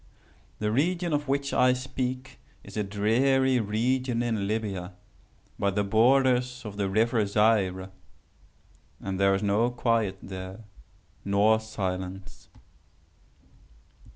"The region of which I speak is a dreary region in Libya, by the borders of the river Zaire. And there is no quiet there, nor silence.